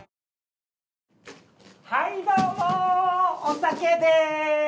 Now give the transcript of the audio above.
お酒です。